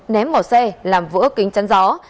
ném vào xe làm vỡ kính chắn gió